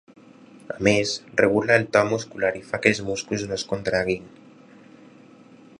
A més, regula el to muscular i fa que els músculs no es contraguin.